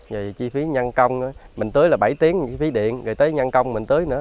vì chi phí nhân công mình tưới là bảy tiếng chi phí điện rồi tới nhân công mình tưới nữa